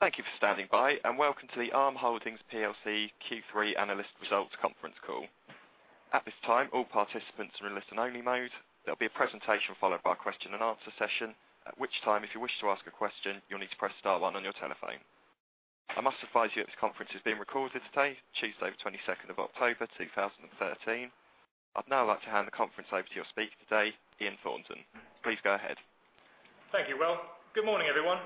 Thank you for standing by, and welcome to the ARM Holdings plc Q3 analyst results conference call. At this time, all participants are in listen only mode. There will be a presentation followed by a question and answer session, at which time, if you wish to ask a question, you will need to press star one on your telephone. I must advise you that this conference is being recorded today, Tuesday the 22nd of October, 2013. I would now like to hand the conference over to your speaker today, Ian Thornton. Please go ahead. Thank you, Will. Good morning, everyone.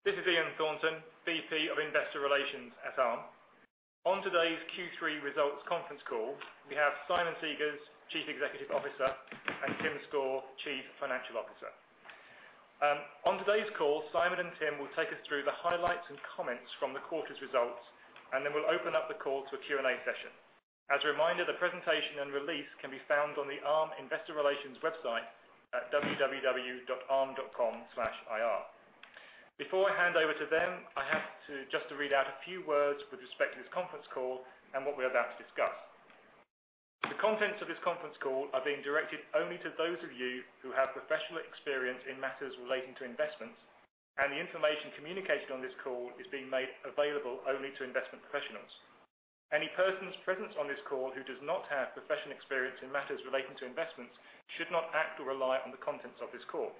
This is Ian Thornton, VP of Investor Relations at Arm. On today's Q3 results conference call, we have Simon Segars, Chief Executive Officer, and Tim Score, Chief Financial Officer. On today's call, Simon and Tim will take us through the highlights and comments from the quarter's results. Then we will open up the call to a Q&A session. As a reminder, the presentation and release can be found on the Arm Investor Relations website at www.arm.com/ir. Before I hand over to them, I have to just read out a few words with respect to this conference call and what we are about to discuss. The contents of this conference call are being directed only to those of you who have professional experience in matters relating to investments. The information communicated on this call is being made available only to investment professionals. Any persons present on this call who does not have professional experience in matters relating to investments should not act or rely on the contents of this call.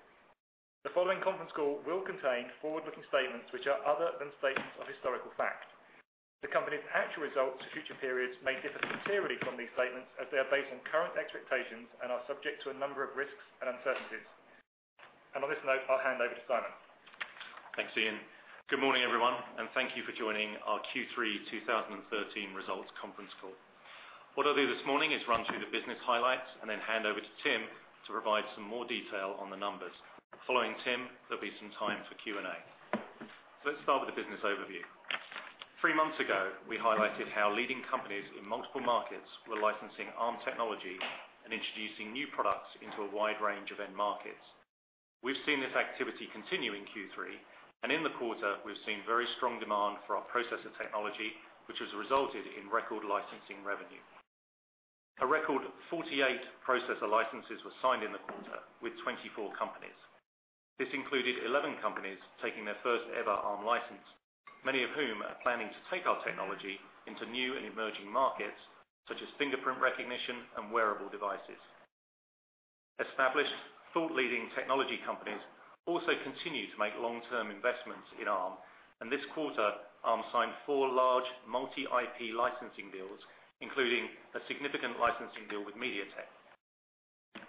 The following conference call will contain forward-looking statements, which are other than statements of historical fact. The company's actual results for future periods may differ materially from these statements, as they are based on current expectations and are subject to a number of risks and uncertainties. On this note, I will hand over to Simon. Thanks, Ian. Good morning, everyone, and thank you for joining our Q3 2013 results conference call. What I will do this morning is run through the business highlights. Then hand over to Tim to provide some more detail on the numbers. Following Tim, there will be some time for Q&A. Let us start with the business overview. Three months ago, we highlighted how leading companies in multiple markets were licensing Arm technology and introducing new products into a wide range of end markets. We have seen this activity continue in Q3. In the quarter, we have seen very strong demand for our processor technology, which has resulted in record licensing revenue. A record 48 processor licenses were signed in the quarter with 24 companies. This included 11 companies taking their first ever Arm license, many of whom are planning to take our technology into new and emerging markets, such as fingerprint recognition and wearable devices. Established thought leading technology companies also continue to make long-term investments in Arm, and this quarter, Arm signed four large multi IP licensing deals, including a significant licensing deal with MediaTek.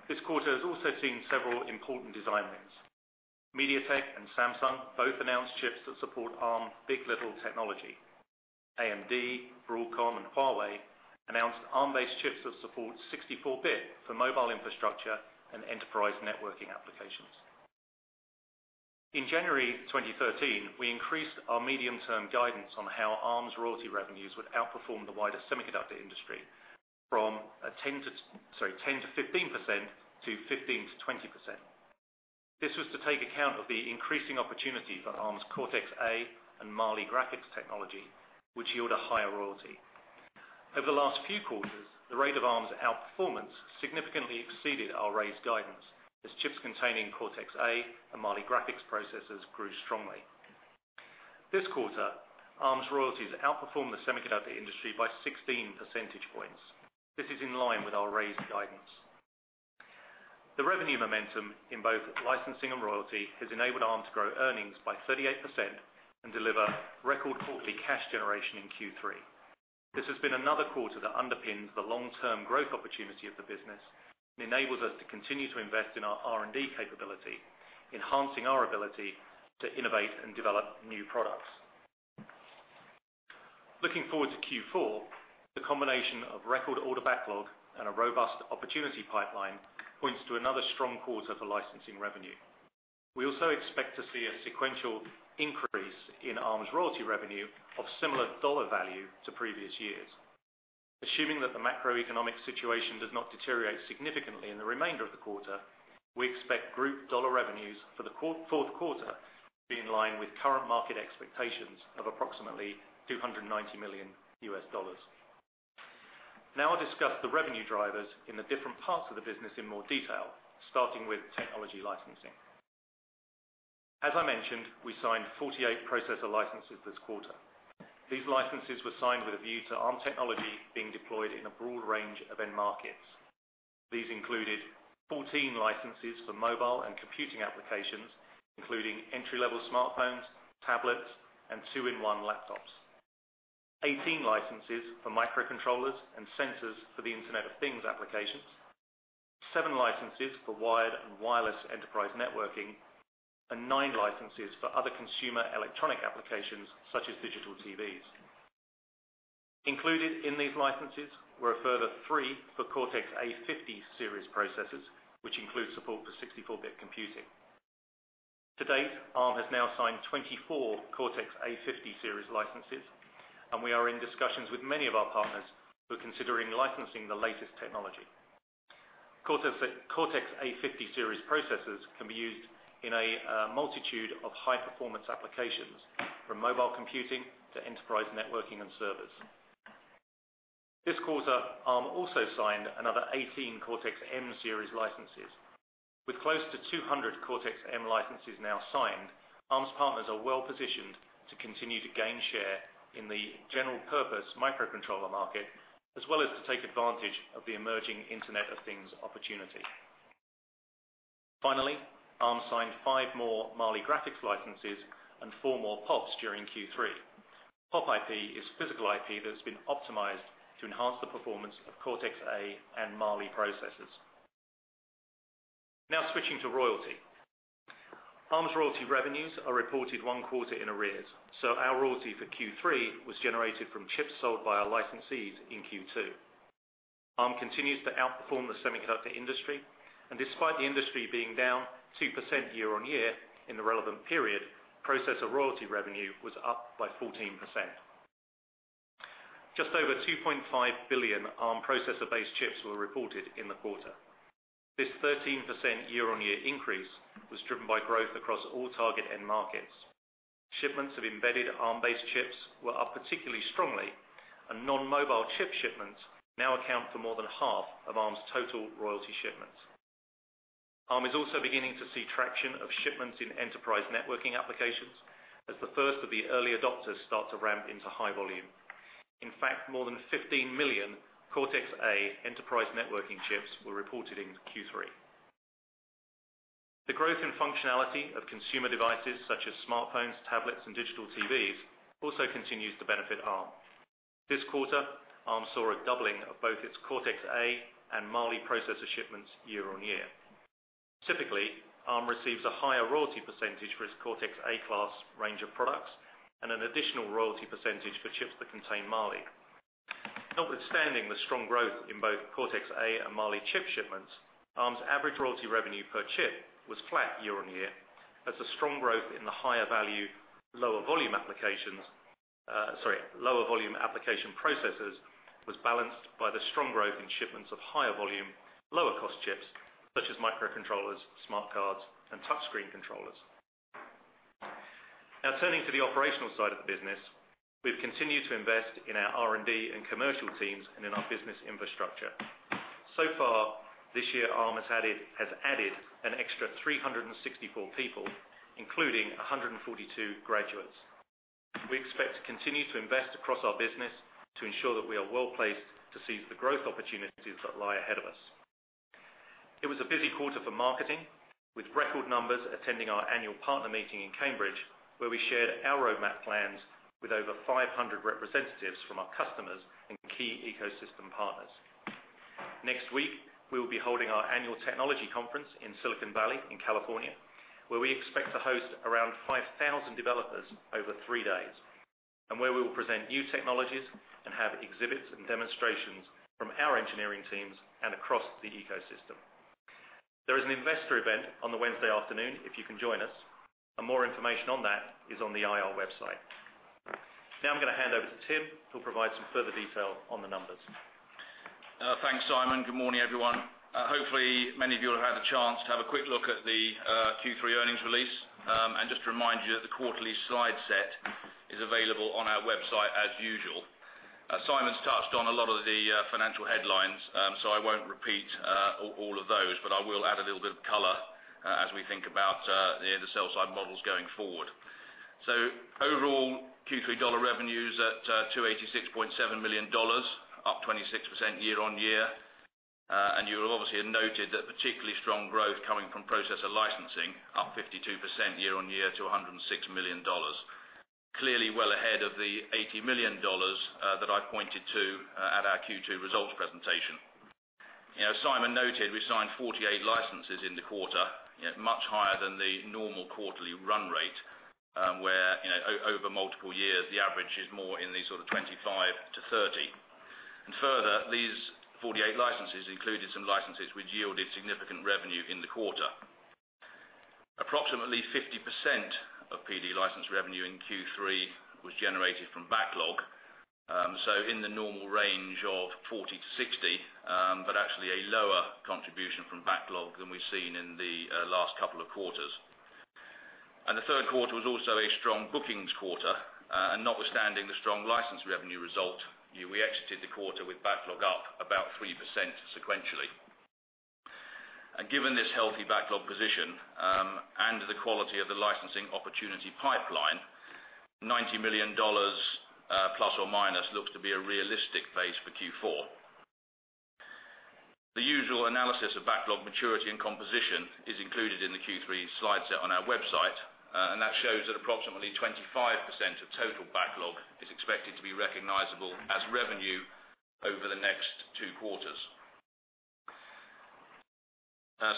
This quarter has also seen several important design wins. MediaTek and Samsung both announced chips that support Arm big. LITTLE technology. AMD, Broadcom, and Huawei announced Arm-based chips that support 64-bit for mobile infrastructure and enterprise networking applications. In January 2013, we increased our medium-term guidance on how Arm's royalty revenues would outperform the wider semiconductor industry from a 10%-15% to 15%-20%. This was to take account of the increasing opportunity for Arm's Cortex-A and Mali graphics technology, which yield a higher royalty. Over the last few quarters, the rate of Arm's outperformance significantly exceeded our raised guidance as chips containing Cortex-A and Mali graphics processors grew strongly. This quarter, Arm's royalties outperformed the semiconductor industry by 16 percentage points. This is in line with our raised guidance. The revenue momentum in both licensing and royalty has enabled Arm to grow earnings by 38% and deliver record quarterly cash generation in Q3. This has been another quarter that underpins the long-term growth opportunity of the business and enables us to continue to invest in our R&D capability, enhancing our ability to innovate and develop new products. Looking forward to Q4, the combination of record order backlog and a robust opportunity pipeline points to another strong quarter for licensing revenue. We also expect to see a sequential increase in Arm's royalty revenue of similar dollar value to previous years. Assuming that the macroeconomic situation does not deteriorate significantly in the remainder of the quarter, we expect group dollar revenues for the fourth quarter to be in line with current market expectations of approximately $290 million. I'll discuss the revenue drivers in the different parts of the business in more detail, starting with technology licensing. As I mentioned, we signed 48 processor licenses this quarter. These licenses were signed with a view to Arm technology being deployed in a broad range of end markets. These included 14 licenses for mobile and computing applications, including entry-level smartphones, tablets, and two-in-one laptops. 18 licenses for microcontrollers and sensors for the Internet of Things applications. Seven licenses for wired and wireless enterprise networking. Nine licenses for other consumer electronic applications such as digital TVs. Included in these licenses were a further three for Cortex-A50 series processors, which include support for 64-bit computing. To date, Arm has now signed 24 Cortex-A50 series licenses, and we are in discussions with many of our partners who are considering licensing the latest technology. Cortex-A50 series processors can be used in a multitude of high performance applications, from mobile computing to enterprise networking and servers. This quarter, Arm also signed another 18 Cortex-M series licenses. With close to 200 Cortex-M licenses now signed, Arm's partners are well-positioned to continue to gain share in the general purpose microcontroller market, as well as to take advantage of the emerging Internet of Things opportunity. Arm signed five more Mali graphics licenses and four more POPs during Q3. POP IP is physical IP that has been optimized to enhance the performance of Cortex-A and Mali processors. Switching to royalty. Arm's royalty revenues are reported one quarter in arrears, so our royalty for Q3 was generated from chips sold by our licensees in Q2. Arm continues to outperform the semiconductor industry, despite the industry being down 2% year-on-year in the relevant period, processor royalty revenue was up by 14%. Just over 2.5 billion Arm processor-based chips were reported in the quarter. This 13% year-on-year increase was driven by growth across all target end markets. Shipments of embedded Arm-based chips were up particularly strongly, non-mobile chip shipments now account for more than half of Arm's total royalty shipments. Arm is also beginning to see traction of shipments in enterprise networking applications as the first of the early adopters start to ramp into high volume. In fact, more than 15 million Cortex-A enterprise networking chips were reported in Q3. The growth in functionality of consumer devices such as smartphones, tablets, and digital TVs also continues to benefit Arm. This quarter, Arm saw a doubling of both its Cortex-A and Mali processor shipments year-on-year. Typically, Arm receives a higher royalty percentage for its Cortex-A class range of products and an additional royalty percentage for chips that contain Mali. Notwithstanding the strong growth in both Cortex-A and Mali chip shipments, Arm's average royalty revenue per chip was flat year-on-year as the strong growth in the higher value, lower volume application processors was balanced by the strong growth in shipments of higher volume, lower cost chips such as microcontrollers, smart cards, and touchscreen controllers. Turning to the operational side of the business, we've continued to invest in our R&D and commercial teams and in our business infrastructure. So far this year, Arm has added an extra 364 people, including 142 graduates. We expect to continue to invest across our business to ensure that we are well-placed to seize the growth opportunities that lie ahead of us. It was a busy quarter for marketing, with record numbers attending our annual partner meeting in Cambridge, where we shared our roadmap plans with over 500 representatives from our customers and key ecosystem partners. Next week, we will be holding our annual technology conference in Silicon Valley in California, where we expect to host around 5,000 developers over three days, where we will present new technologies and have exhibits and demonstrations from our engineering teams and across the ecosystem. There is an investor event on the Wednesday afternoon, if you can join us, more information on that is on the IR website. I'm going to hand over to Tim, who'll provide some further detail on the numbers. Thanks, Simon. Good morning, everyone. Hopefully, many of you will have had the chance to have a quick look at the Q3 earnings release. Just to remind you that the quarterly slide set is available on our website as usual. Simon's touched on a lot of the financial headlines, I won't repeat all of those, I will add a little bit of color as we think about the sell side models going forward. Overall, Q3 dollar revenues at $286.7 million, up 26% year-on-year. You will obviously have noted that particularly strong growth coming from processor licensing, up 52% year-on-year to $106 million. Clearly well ahead of the $80 million that I pointed to at our Q2 results presentation. As Simon noted, we signed 48 licenses in the quarter, much higher than the normal quarterly run rate, where over multiple years, the average is more in the sort of 25 to 30. Further, these 48 licenses included some licenses which yielded significant revenue in the quarter. Approximately 50% of PD license revenue in Q3 was generated from backlog. In the normal range of 40 to 60, but actually a lower contribution from backlog than we've seen in the last couple of quarters. The third quarter was also a strong bookings quarter. Notwithstanding the strong license revenue result, we exited the quarter with backlog up about 3% sequentially. Given this healthy backlog position and the quality of the licensing opportunity pipeline, $90 million ± looks to be a realistic base for Q4. The usual analysis of backlog maturity and composition is included in the Q3 slide set on our website. That shows that approximately 25% of total backlog is expected to be recognizable as revenue over the next two quarters.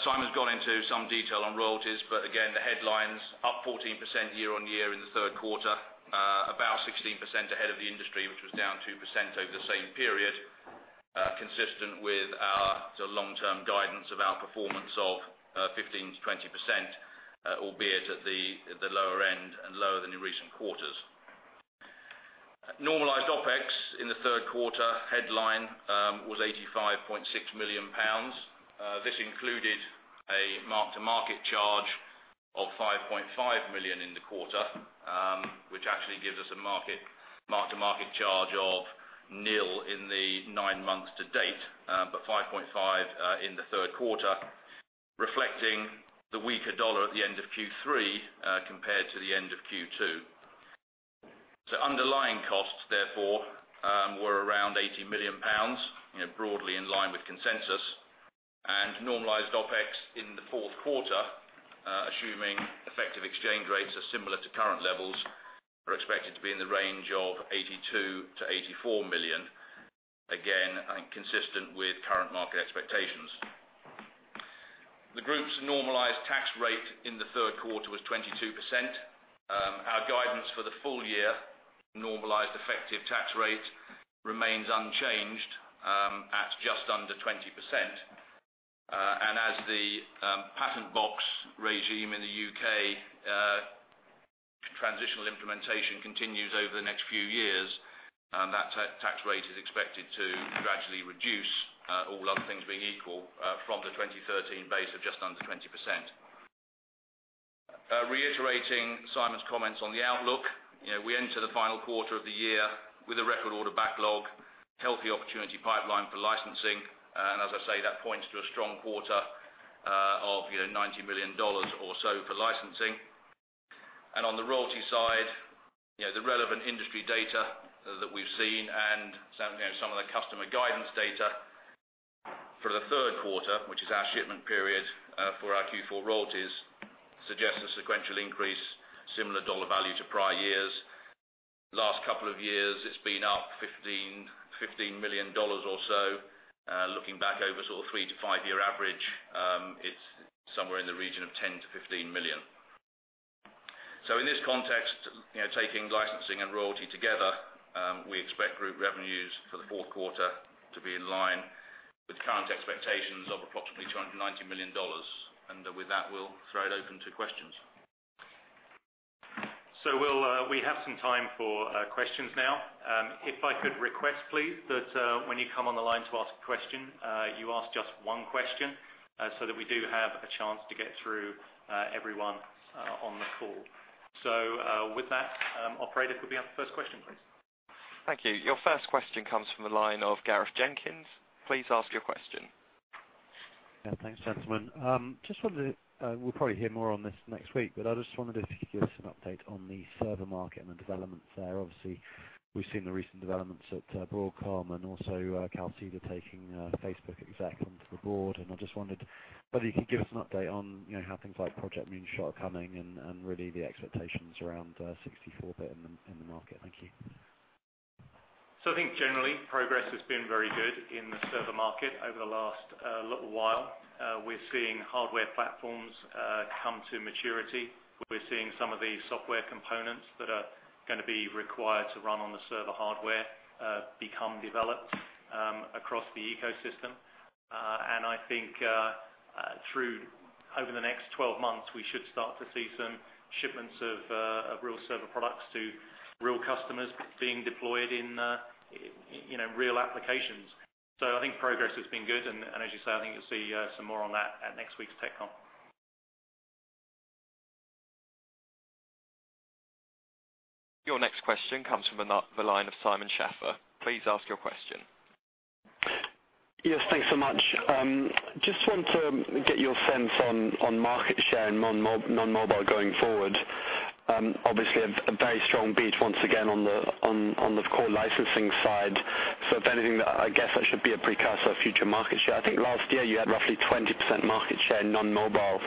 Simon's gone into some detail on royalties. Again, the headlines up 14% year-on-year in the third quarter, about 16% ahead of the industry, which was down 2% over the same period, consistent with our long-term guidance of outperformance of 15%-20%, albeit at the lower end and lower than in recent quarters. Normalized OpEx in the third quarter headline was 85.6 million pounds. This included a mark-to-market charge of 5.5 million in the quarter. Which actually gives us a mark-to-market charge of nil in the nine months to date, but 5.5 in the third quarter, reflecting the weaker dollar at the end of Q3, compared to the end of Q2. Underlying costs, therefore, were around 80 million pounds, broadly in line with consensus. Normalized OpEx in the fourth quarter, assuming effective exchange rates are similar to current levels, are expected to be in the range of 82 million-84 million. Again, consistent with current market expectations. The group's normalized tax rate in the third quarter was 22%. Our guidance for the full-year normalized effective tax rate remains unchanged at just under 20%. As the Patent Box regime in the U.K. transitional implementation continues over the next few years, that tax rate is expected to gradually reduce, all other things being equal, from the 2013 base of just under 20%. Reiterating Simon's comments on the outlook. We enter the final quarter of the year with a record order backlog, healthy opportunity pipeline for licensing. As I say, that points to a strong quarter of $90 million or so for licensing. On the royalty side, the relevant industry data that we've seen and some of the customer guidance data for the third quarter, which is our shipment period for our Q4 royalties, suggests a sequential increase, similar dollar value to prior years. Last couple of years, it's been up $15 million or so. Looking back over three to five-year average, it's somewhere in the region of 10 million-15 million. In this context, taking licensing and royalty together, we expect group revenues for the fourth quarter to be in line with current expectations of approximately $290 million. With that, we'll throw it open to questions. We have some time for questions now. If I could request, please, that when you come on the line to ask a question, you ask just one question, that we do have a chance to get through everyone on the call. With that, operator, could we have the first question, please? Thank you. Your first question comes from the line of Gareth Jenkins. Please ask your question. Thanks, gentlemen. We'll probably hear more on this next week, I just wondered if you could give us an update on the server market and the developments there. Obviously, we've seen the recent developments at Broadcom and also Calxeda taking a Facebook exec onto the board. I just wondered whether you could give us an update on how things like Project Moonshot are coming and really the expectations around 64-bit in the market. Thank you. I think generally, progress has been very good in the server market over the last little while. We're seeing hardware platforms come to maturity. We're seeing some of the software components that are going to be required to run on the server hardware become developed across the ecosystem. I think over the next 12 months, we should start to see some shipments of real server products to real customers being deployed in real applications. I think progress has been good, and as you say, I think you'll see some more on that at next week's tech con. Your next question comes from the line of Simon Schafer. Please ask your question. Yes, thanks so much. Just want to get your sense on market share and non-mobile going forward. Obviously, a very strong beat once again on the core licensing side. If anything, I guess that should be a precursor of future market share. I think last year you had roughly 20% market share non-mobile.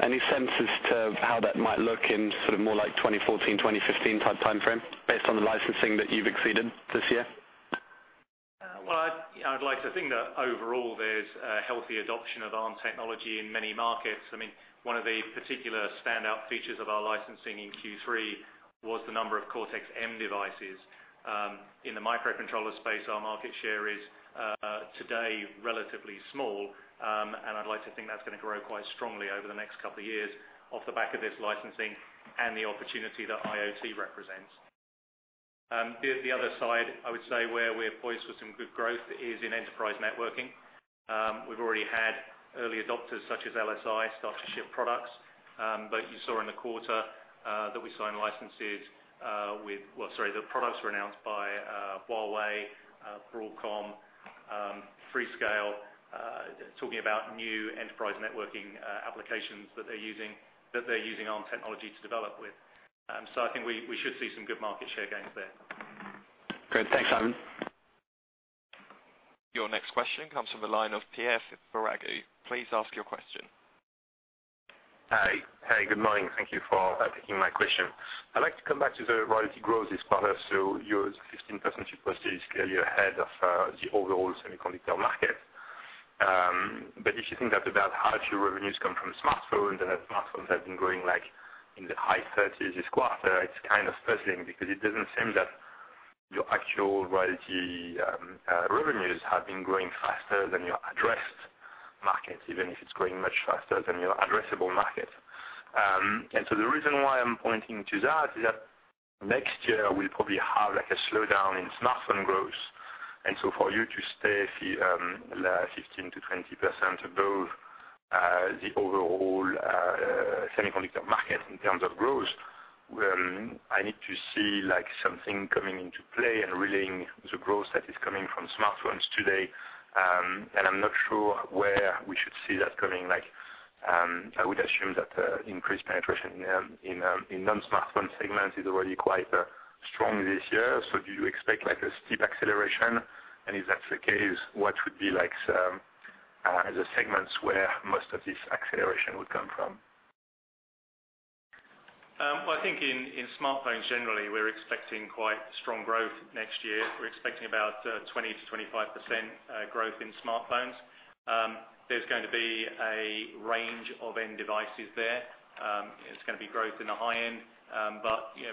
Any sense as to how that might look in more like 2014, 2015 type timeframe based on the licensing that you've exceeded this year? Well, I'd like to think that overall there's a healthy adoption of Arm technology in many markets. One of the particular standout features of our licensing in Q3 was the number of Cortex-M devices. In the microcontroller space, our market share is today relatively small. I'd like to think that's going to grow quite strongly over the next couple of years off the back of this licensing and the opportunity that IoT represents. The other side, I would say, where we are poised for some good growth is in enterprise networking. We've already had early adopters such as LSI start to ship products. You saw in the quarter that we signed licenses. Well, sorry, the products were announced by Huawei, Broadcom, Freescale talking about new enterprise networking applications that they're using Arm technology to develop with. I think we should see some good market share gains there. Great. Thanks, Simon. Your next question comes from the line of Pierre Ferragu. Please ask your question. Hi. Good morning. Thank you for taking my question. I'd like to come back to the royalty growth this quarter. Your 15% was clearly ahead of the overall semiconductor market. If you think that about half your revenues come from smartphones, and smartphones have been growing like in the high 30s this quarter, it's kind of puzzling because it doesn't seem that your actual royalty revenues have been growing faster than your addressed market, even if it's growing much faster than your addressable market. The reason why I'm pointing to that is that next year we'll probably have a slowdown in smartphone growth For you to stay 15%-20% above the overall semiconductor market in terms of growth, I need to see something coming into play and relaying the growth that is coming from smartphones today. I'm not sure where we should see that coming. I would assume that increased penetration in non-smartphone segment is already quite strong this year. Do you expect a steep acceleration? If that's the case, what would be the segments where most of this acceleration would come from? I think in smartphones generally, we're expecting quite strong growth next year. We're expecting about 20%-25% growth in smartphones. There's going to be a range of end devices there. It's going to be growth in the high end.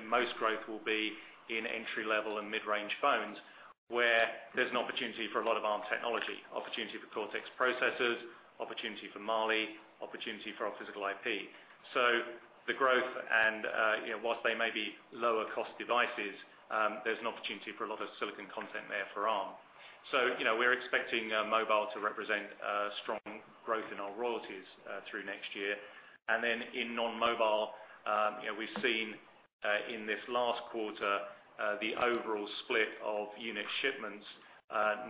Most growth will be in entry-level and mid-range phones, where there's an opportunity for a lot of Arm technology. Opportunity for Cortex processors, opportunity for Mali, opportunity for our physical IP. The growth, and whilst they may be lower cost devices, there's an opportunity for a lot of silicon content there for Arm. We're expecting mobile to represent strong growth in our royalties through next year. In non-mobile, we've seen in this last quarter, the overall split of unit shipments.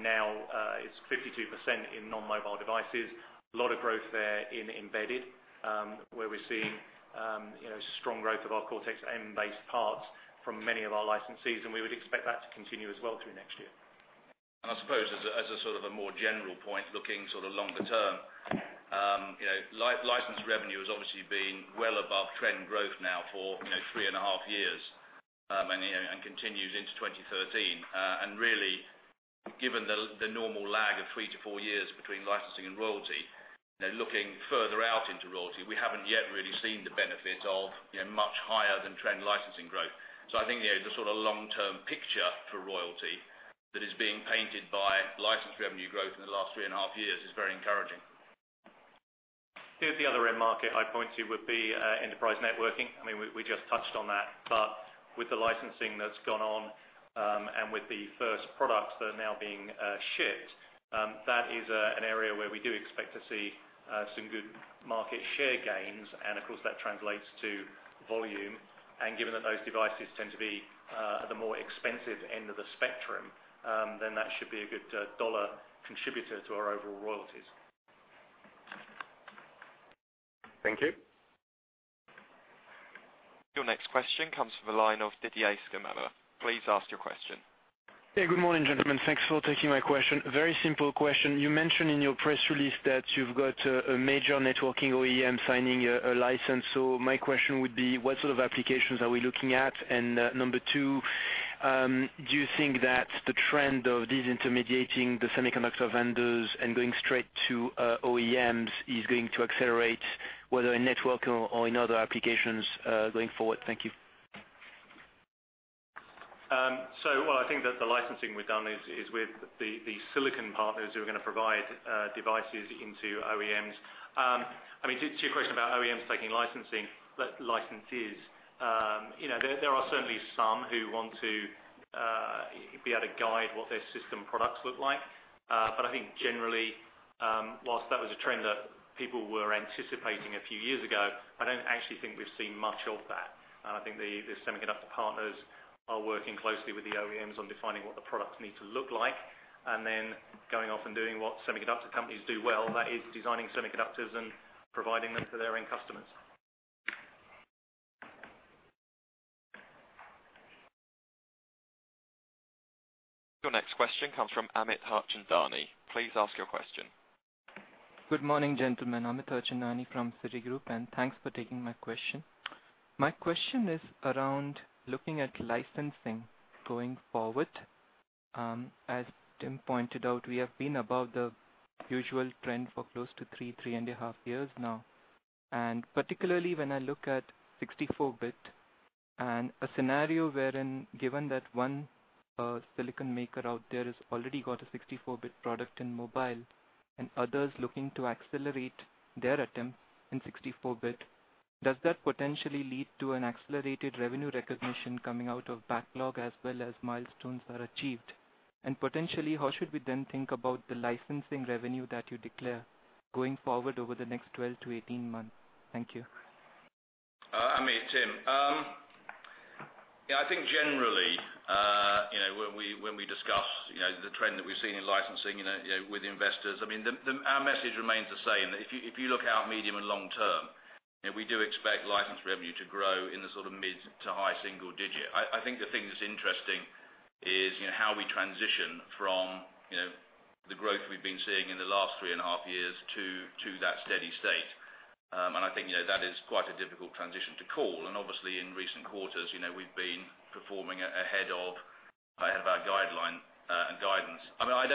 Now it's 52% in non-mobile devices. A lot of growth there in embedded, where we're seeing strong growth of our Cortex-M based parts from many of our licensees. We would expect that to continue as well through next year. I suppose as a sort of a more general point, looking sort of longer term. License revenue has obviously been well above trend growth now for three and a half years, and continues into 2013. Really, given the normal lag of three to four years between licensing and royalty, looking further out into royalty, we haven't yet really seen the benefit of much higher than trend licensing growth. I think the sort of long-term picture for royalty that is being painted by license revenue growth in the last three and a half years is very encouraging. The other end market I'd point to would be enterprise networking. We just touched on that, but with the licensing that's gone on, and with the first products that are now being shipped, that is an area where we do expect to see some good market share gains. Of course, that translates to volume. Given that those devices tend to be at the more expensive end of the spectrum, then that should be a good GBP contributor to our overall royalties. Thank you. Your next question comes from the line of Didier Scemama. Please ask your question. Hey, good morning, gentlemen. Thanks for taking my question. Very simple question. You mentioned in your press release that you've got a major networking OEM signing a license. My question would be, what sort of applications are we looking at? Number two, do you think that the trend of disintermediating the semiconductor vendors and going straight to OEMs is going to accelerate, whether in network or in other applications, going forward? Thank you. I think that the licensing we've done is with the silicon partners who are going to provide devices into OEMs. To your question about OEMs taking licensees. There are certainly some who want to be able to guide what their system products look like. I think generally, whilst that was a trend that people were anticipating a few years ago, I don't actually think we've seen much of that. I think the semiconductor partners are working closely with the OEMs on defining what the products need to look like, and then going off and doing what semiconductor companies do well. That is designing semiconductors and providing them to their end customers. Your next question comes from Amit Harchandani. Please ask your question. Good morning, gentlemen. Amit Harchandani from Citigroup, and thanks for taking my question. My question is around looking at licensing going forward. As Tim pointed out, we have been above the usual trend for close to three and a half years now. Particularly when I look at 64-bit, and a scenario wherein given that one silicon maker out there has already got a 64-bit product in mobile, and others looking to accelerate their attempt in 64-bit. Does that potentially lead to an accelerated revenue recognition coming out of backlog as well as milestones that are achieved? Potentially, how should we then think about the licensing revenue that you declare going forward over the next 12-18 months? Thank you. Amit, Tim. I think generally when we discuss the trend that we've seen in licensing with investors. Our message remains the same. If you look out medium and long term, we do expect license revenue to grow in the sort of mid to high single digit. I think the thing that's interesting is how we transition from the growth we've been seeing in the last three and a half years to that steady state. I think that is quite a difficult transition to call. Obviously in recent quarters, we've been performing ahead of our guideline and guidance. I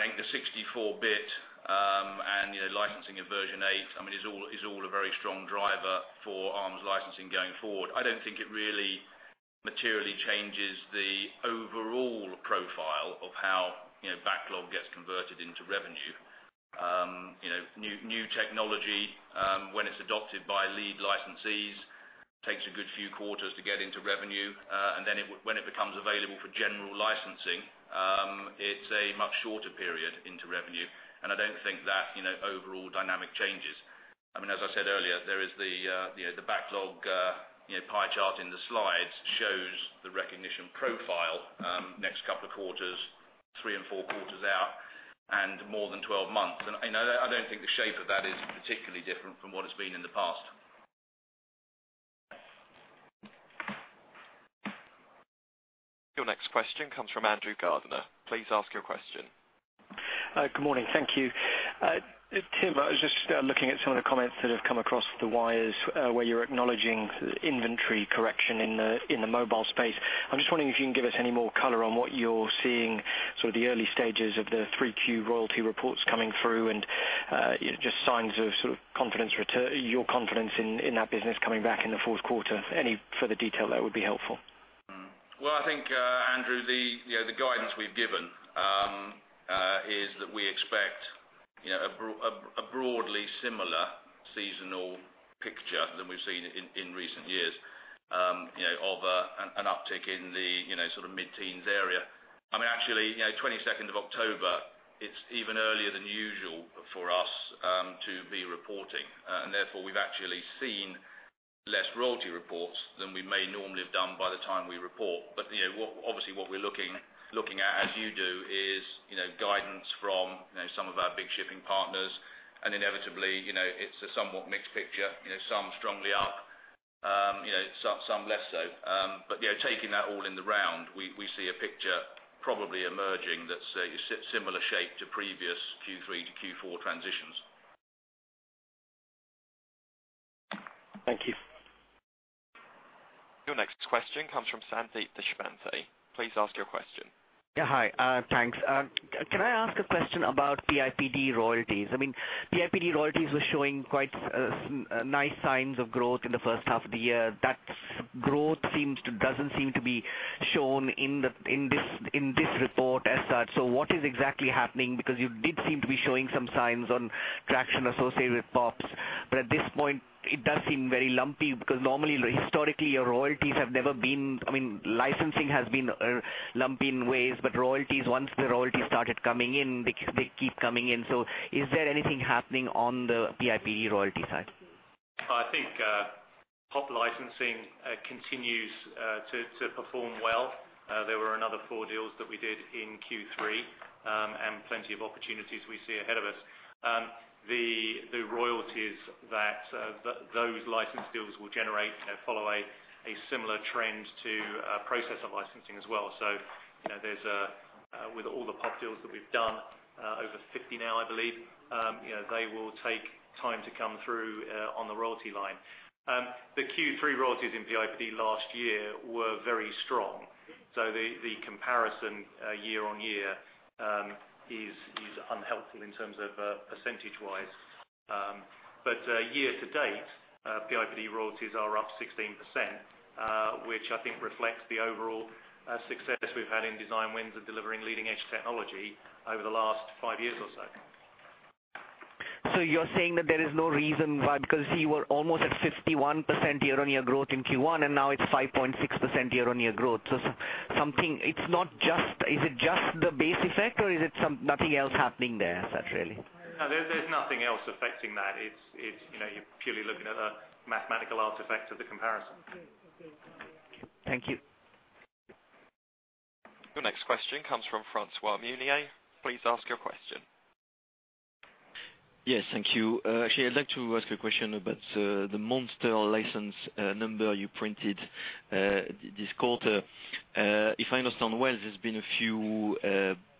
think the 64-bit and licensing of version 8 is all a very strong driver for Arm's licensing going forward. I don't think it really materially changes the overall profile of how backlog gets converted into revenue New technology, when it's adopted by lead licensees, takes a good few quarters to get into revenue. Then when it becomes available for general licensing, it's a much shorter period into revenue. I don't think that overall dynamic changes. As I said earlier, there is the backlog pie chart in the slides shows the recognition profile next couple of quarters, three and four quarters out, and more than 12 months. I don't think the shape of that is particularly different from what it's been in the past. Your next question comes from Andrew Gardiner. Please ask your question. Good morning. Thank you. Tim, I was just looking at some of the comments that have come across the wires, where you're acknowledging inventory correction in the mobile space. I'm just wondering if you can give us any more color on what you're seeing, sort of the early stages of the three Q royalty reports coming through and, just signs of your confidence in that business coming back in the fourth quarter. Any further detail there would be helpful. Well, I think, Andrew, the guidance we've given is that we expect a broadly similar seasonal picture than we've seen in recent years of an uptick in the mid-teens area. Actually, 22nd of October, it's even earlier than usual for us to be reporting. Therefore, we've actually seen less royalty reports than we may normally have done by the time we report. Obviously what we're looking at, as you do, is guidance from some of our big shipping partners. Inevitably, it's a somewhat mixed picture. Some strongly up, some less so. Taking that all in the round, we see a picture probably emerging that's similar shape to previous Q3 to Q4 transitions. Thank you. Your next question comes from Sandeep Deshpande. Please ask your question. Yeah. Hi. Thanks. Can I ask a question about PIPD royalties? PIPD royalties were showing quite nice signs of growth in the first half of the year. That growth doesn't seem to be shown in this report as such. What is exactly happening? You did seem to be showing some signs on traction associated with POPs. At this point, it does seem very lumpy because normally, historically, licensing has been lumpy in ways, but once the royalties started coming in, they keep coming in. Is there anything happening on the PIPD royalty side? I think POP licensing continues to perform well. There were another four deals that we did in Q3, and plenty of opportunities we see ahead of us. The royalties that those license deals will generate follow a similar trend to processor licensing as well. With all the POP deals that we've done, over 50 now, I believe, they will take time to come through on the royalty line. The Q3 royalties in PIPD last year were very strong. The comparison year-on-year is unhelpful in terms of percentage-wise. Year to date, PIPD royalties are up 16%, which I think reflects the overall success we've had in design wins and delivering leading edge technology over the last five years or so. You're saying that there is no reason why, because you were almost at 51% year-on-year growth in Q1, and now it's 5.6% year-on-year growth. Is it just the base effect, or is it nothing else happening there as such, really? No, there's nothing else affecting that. You're purely looking at a mathematical artifact of the comparison. Thank you. Your next question comes from François Munier. Please ask your question. Yes, thank you. Actually, I'd like to ask a question about the monster license number you printed this quarter. If I understand well, there's been a few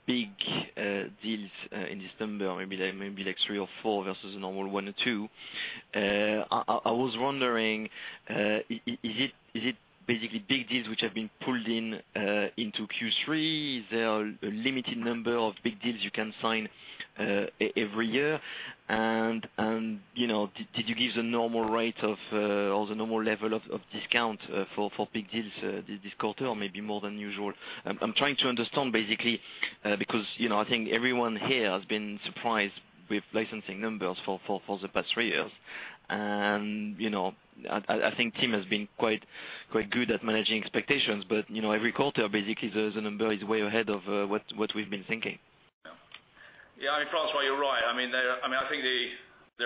big deals in this number, maybe like three or four versus the normal one or two. I was wondering, is it basically big deals which have been pulled in into Q3? Is there a limited number of big deals you can sign every year? Did you give the normal rate or the normal level of discount for big deals this quarter, or maybe more than usual? I'm trying to understand basically, because I think everyone here has been surprised with licensing numbers for the past three years. I think Tim has been quite good at managing expectations. Every quarter, basically, the number is way ahead of what we've been thinking. Yeah. François, you're right. I think there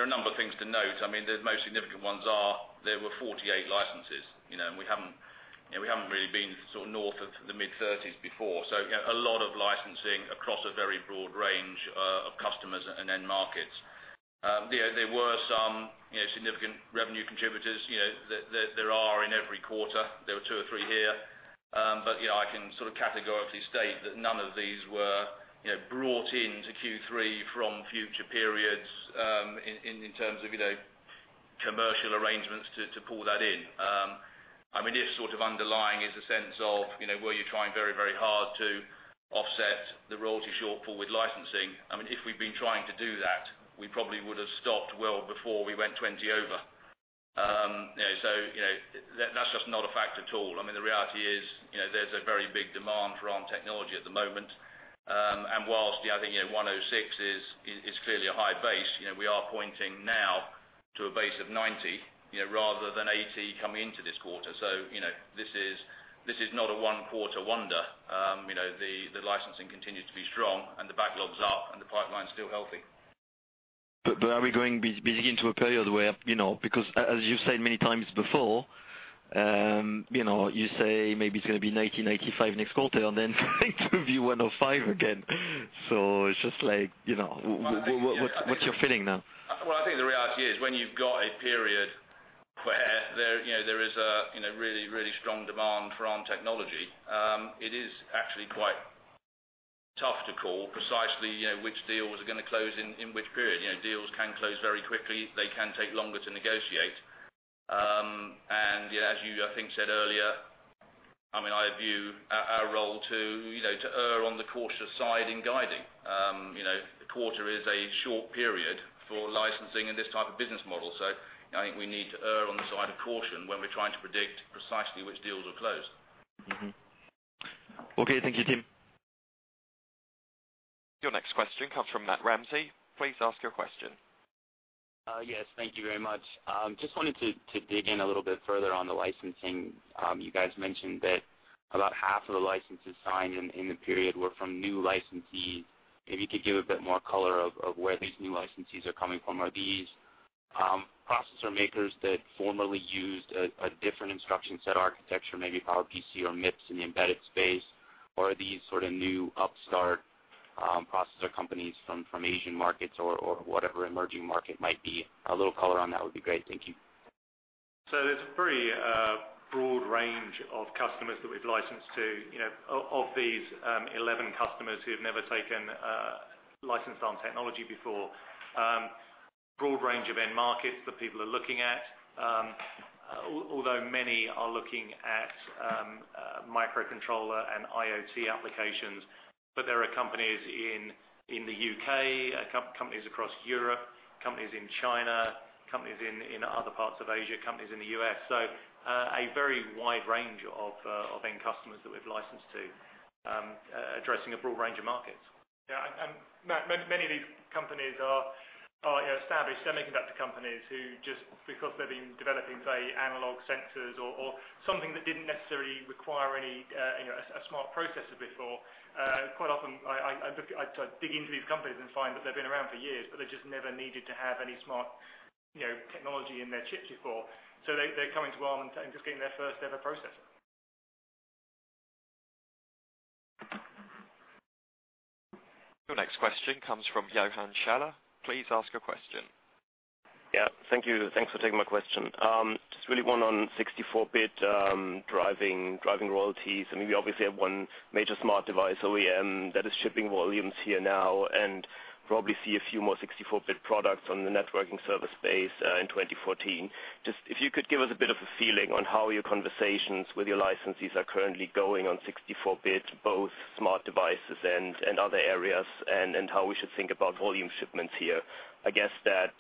are a number of things to note. The most significant ones are there were 48 licenses, and we haven't really been north of the mid-30s before. A lot of licensing across a very broad range of customers and end markets. There were some significant revenue contributors. There are in every quarter. There were two or three here. I can categorically state that none of these were brought into Q3 from future periods in terms of commercial arrangements to pull that in. If underlying is a sense of, were you trying very hard to offset the royalty shortfall with licensing? If we'd been trying to do that, we probably would have stopped well before we went 20 over. That's just not a factor at all. The reality is there's a very big demand for Arm technology at the moment. Whilst I think 106 is clearly a high base, we are pointing now to a base of 90 rather than 80 coming into this quarter. This is not a one quarter wonder. The licensing continues to be strong and the backlogs are up and the pipeline's still healthy. Are we going to be digging into a period where, because as you've said many times before, you say maybe it's going to be 90, 85 next quarter and then it'll be 105 again. It's just like, what's your feeling now? Well, I think the reality is when you've got a period where there is a really strong demand for Arm technology, it is actually quite tough to call precisely which deals are going to close in which period. Deals can close very quickly. They can take longer to negotiate. As you I think said earlier, I view our role to err on the cautious side in guiding. A quarter is a short period for licensing in this type of business model. I think we need to err on the side of caution when we're trying to predict precisely which deals will close. Okay, thank you, Tim. Your next question comes from Matt Ramsay. Please ask your question. Yes, thank you very much. Just wanted to dig in a little bit further on the licensing. You guys mentioned that about half of the licenses signed in the period were from new licensees. Maybe you could give a bit more color of where these new licensees are coming from. Are these processor makers that formerly used a different instruction set architecture, maybe PowerPC or MIPS in the embedded space? Are these sort of new upstart processor companies from Asian markets or whatever emerging market might be? A little color on that would be great. Thank you. There's a very broad range of customers that we've licensed to. Of these 11 customers who've never taken a licensed Arm technology before. Broad range of end markets that people are looking at. Although many are looking at microcontroller and IoT applications, there are companies in the U.K., companies across Europe, companies in China, companies in other parts of Asia, companies in the U.S. A very wide range of end customers that we've licensed to addressing a broad range of markets. Matt, many of these companies are established semiconductor companies who just because they've been developing, say, analog sensors or something that didn't necessarily require a smart processor before. Quite often I dig into these companies and find that they've been around for years, but they just never needed to have any smart technology in their chips before. They're coming to Arm and just getting their first ever processor. Your next question comes from Johannes Schaller. Please ask your question. Thank you. Thanks for taking my question. Just really one on 64-bit driving royalties. I mean, we obviously have one major smart device OEM that is shipping volumes here now, and probably see a few more 64-bit products on the networking server space in 2014. Just if you could give us a bit of a feeling on how your conversations with your licensees are currently going on 64-bit, both smart devices and other areas, and how we should think about volume shipments here. I guess that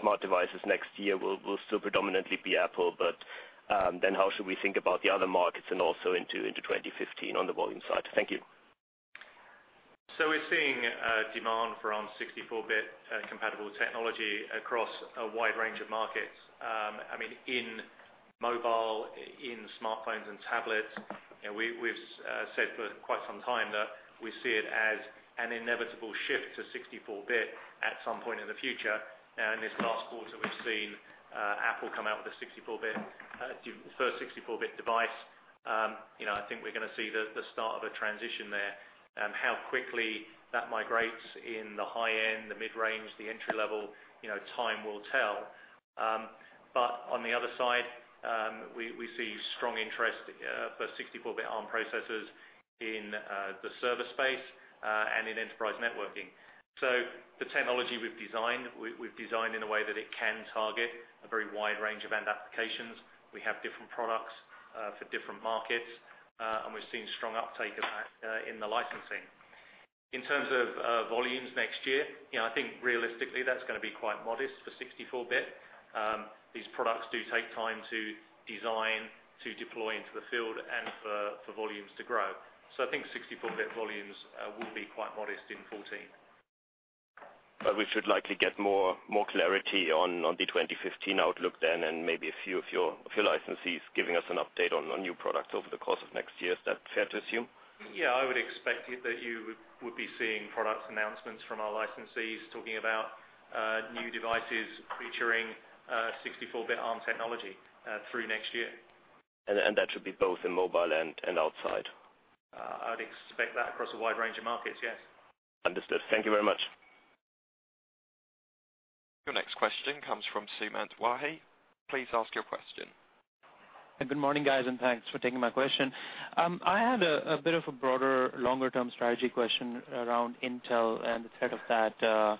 smart devices next year will still predominantly be Apple. How should we think about the other markets and also into 2015 on the volume side? Thank you. We're seeing demand for Arm 64-bit compatible technology across a wide range of markets. In mobile, in smartphones and tablets. We've said for quite some time that we see it as an inevitable shift to 64-bit at some point in the future. In this last quarter, we've seen Apple come out with a first 64-bit device. I think we're going to see the start of a transition there. How quickly that migrates in the high end, the mid-range, the entry level, time will tell. On the other side, we see strong interest for 64-bit Arm processors in the server space and in enterprise networking. The technology we've designed, we've designed in a way that it can target a very wide range of end applications. We have different products for different markets. We're seeing strong uptake of that in the licensing. In terms of volumes next year, I think realistically that's going to be quite modest for 64-bit. These products do take time to design, to deploy into the field, and for volumes to grow. I think 64-bit volumes will be quite modest in 2014. We should likely get more clarity on the 2015 outlook then, and maybe a few of your licensees giving us an update on new products over the course of next year. Is that fair to assume? Yeah. I would expect that you would be seeing product announcements from our licensees talking about new devices featuring 64-bit Arm technology through next year. That should be both in mobile and outside. I would expect that across a wide range of markets, yes. Understood. Thank you very much. Your next question comes from Sumanth Vahee. Please ask your question. Good morning, guys. Thanks for taking my question. I had a bit of a broader, longer term strategy question around Intel and the threat of that.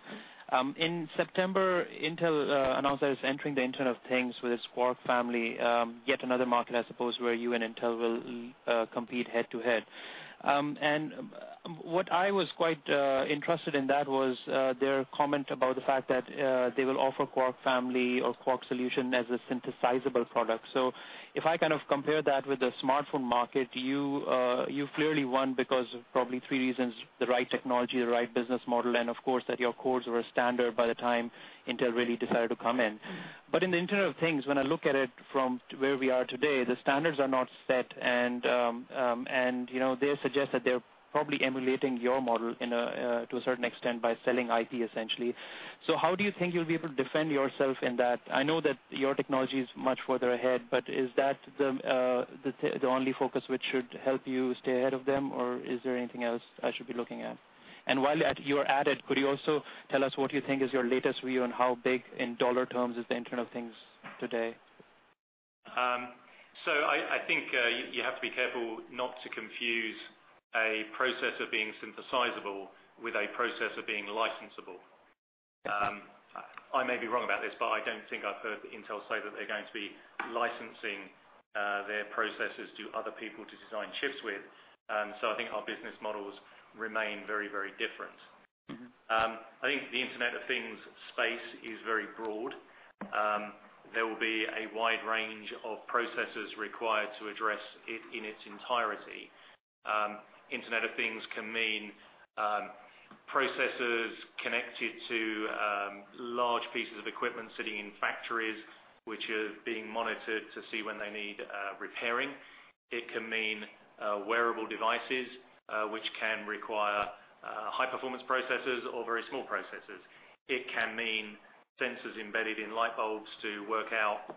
In September, Intel announced that it's entering the Internet of Things with its Quark family. Yet another market, I suppose, where you and Intel will compete head to head. What I was quite interested in that was their comment about the fact that they will offer Quark family or Quark solution as a synthesizable product. If I compare that with the smartphone market, you've clearly won because of probably three reasons, the right technology, the right business model, and of course, that your cores were standard by the time Intel really decided to come in. In the Internet of Things, when I look at it from where we are today, the standards are not set, and they suggest that they're probably emulating your model to a certain extent by selling IP, essentially. How do you think you'll be able to defend yourself in that? I know that your technology is much further ahead, but is that the only focus which should help you stay ahead of them? Or is there anything else I should be looking at? While you're at it, could you also tell us what you think is your latest view on how big in dollar terms is the Internet of Things today? I think you have to be careful not to confuse a processor being synthesizable with a processor being licensable. Okay. I may be wrong about this, but I don't think I've heard Intel say that they're going to be licensing their processors to other people to design chips with. I think our business models remain very different. I think the Internet of Things space is very broad. There will be a wide range of processors required to address it in its entirety. Internet of Things can mean processors connected to large pieces of equipment sitting in factories, which are being monitored to see when they need repairing. It can mean wearable devices which can require high-performance processors or very small processors. It can mean sensors embedded in light bulbs to work out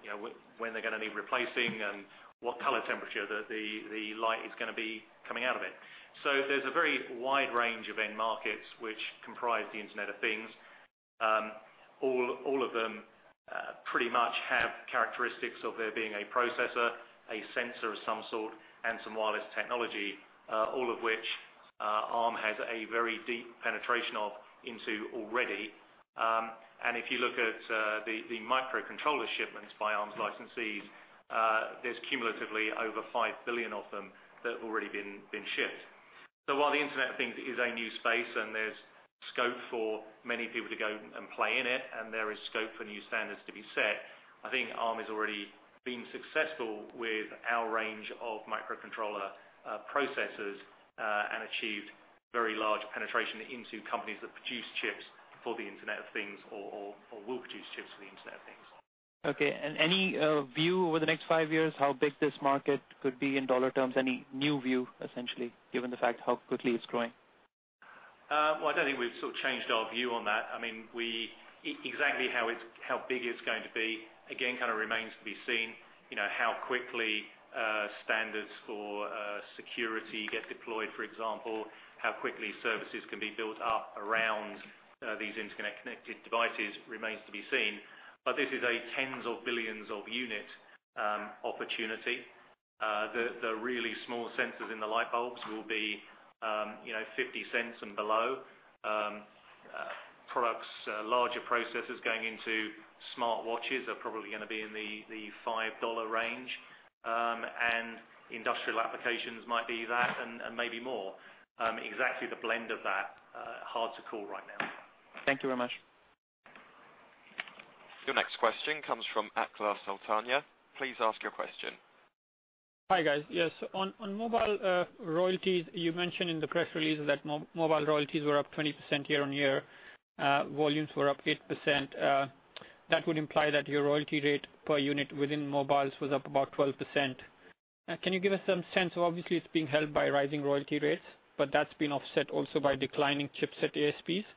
when they're going to need replacing and what color temperature the light is going to be coming out of it. There's a very wide range of end markets which comprise the Internet of Things. All of them pretty much have characteristics of there being a processor, a sensor of some sort, and some wireless technology, all of which Arm has a very deep penetration of into already. If you look at the microcontroller shipments by Arm's licensees, there's cumulatively over 5 billion of them that have already been shipped. While the Internet of Things is a new space and there's scope for many people to go and play in it, and there is scope for new standards to be set, I think Arm has already been successful with our range of microcontroller processors and achieved very large penetration into companies that produce chips for the Internet of Things or will produce chips for the Internet of Things. Okay. Any view over the next 5 years how big this market could be in dollar terms? Any new view, essentially, given the fact how quickly it's growing? Well, I don't think we've changed our view on that. Exactly how big it's going to be, again, remains to be seen. How quickly standards for security get deployed, for example, how quickly services can be built up around these interconnected devices remains to be seen. This is a tens of billions of unit opportunity. The really small sensors in the light bulbs will be $0.50 and below. Products, larger processors going into smartwatches are probably going to be in the $5 range. Industrial applications might be that and maybe more. Exactly the blend of that, hard to call right now. Thank you very much. Your next question comes from Achal Sultania. Please ask your question. Hi, guys. Yes. On mobile royalties, you mentioned in the press release that mobile royalties were up 20% year-on-year. Volumes were up 8%. That would imply that your royalty rate per unit within mobiles was up about 12%. Can you give us some sense of, obviously it's being held by rising royalty rates, but that's been offset also by declining chipset ASPs.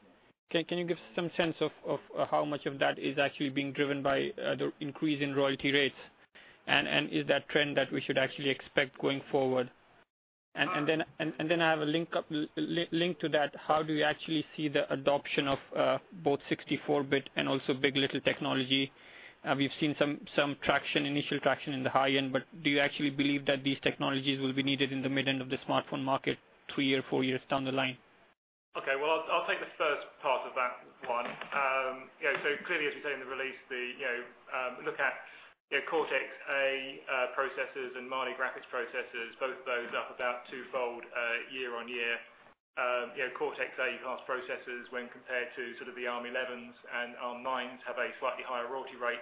Can you give some sense of how much of that is actually being driven by the increase in royalty rates? Is that trend that we should actually expect going forward? I have a link to that. How do you actually see the adoption of both 64-bit and also big. LITTLE technology? We've seen some initial traction in the high end, do you actually believe that these technologies will be needed in the mid-end of the smartphone market three or four years down the line? Okay. Well, I'll take the first part of that one. Clearly, as we say in the release, look at Cortex-A processors and Mali graphics processors, both of those up about twofold year-on-year. Cortex-A class processors, when compared to sort of the ARM11s and ARM9s have a slightly higher royalty rate.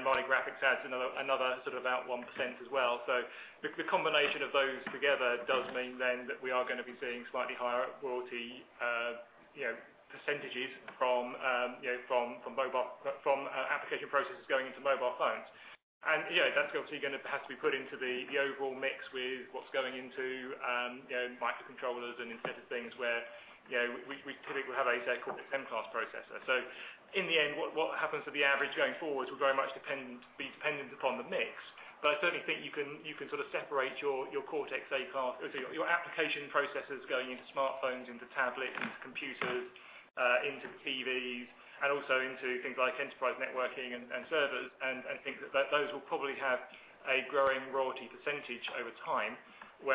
Mali graphics adds another sort of about 1% as well. The combination of those together does mean then that we are going to be seeing slightly higher royalty percentages from mobile from application processors going into mobile phones. That's obviously going to have to be put into the overall mix with what's going into microcontrollers and Internet of Things where we typically will have a say Cortex-M class processor. In the end, what happens to the average going forward will very much be dependent upon the mix. I certainly think you can sort of separate your Cortex-A your application processors going into smartphones, into tablets, into computers, into TVs, and also into things like enterprise networking and servers and think that those will probably have a growing royalty percentage over time. The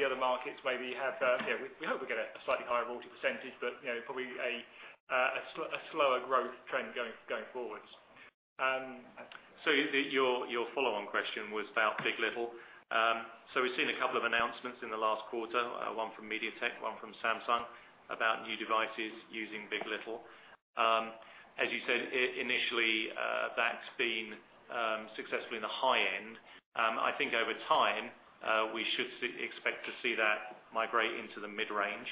other markets maybe We hope we get a slightly higher royalty percentage, but probably a slower growth trend going forwards. Your follow-on question was about big. LITTLE. We've seen a couple of announcements in the last quarter, one from MediaTek, one from Samsung, about new devices using big. LITTLE. As you said initially, that's been successful in the high end. I think over time we should expect to see that migrate into the mid-range.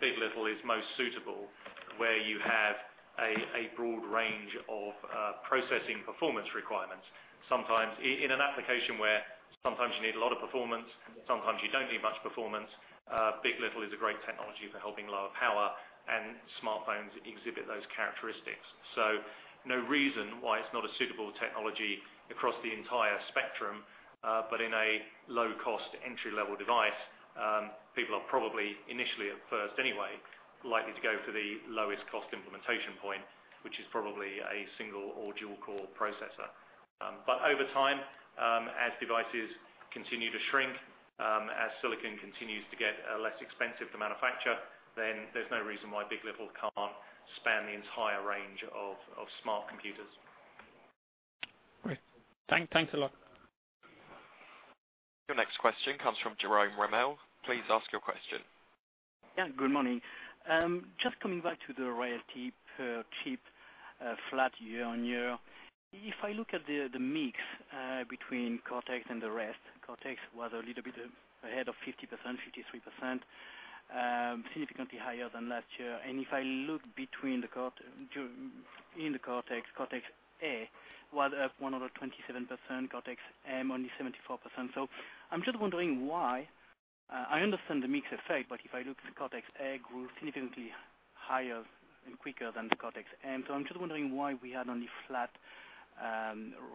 big. LITTLE is most suitable where you have a broad range of processing performance requirements. In an application where sometimes you need a lot of performance, sometimes you don't need much performance, big. LITTLE is a great technology for helping lower power and smartphones exhibit those characteristics. No reason why it's not a suitable technology across the entire spectrum. In a low-cost entry-level device, people are probably initially at first anyway, likely to go for the lowest cost implementation point, which is probably a single or dual core processor. Over time, as devices continue to shrink, as silicon continues to get less expensive to manufacture, there's no reason why big. LITTLE can't span the entire range of smart computers. Great. Thanks a lot. Your next question comes from Jerome Ramel. Please ask your question. Good morning. Just coming back to the royalty per chip flat year-on-year. If I look at the mix between Cortex and the rest, Cortex was a little bit ahead of 50%, 53%, significantly higher than last year. And if I look in the Cortex-A was up 127%, Cortex-M only 74%. I'm just wondering why. I understand the mix effect, but if I look at the Cortex-A grew significantly higher and quicker than the Cortex-M. I'm just wondering why we had only flat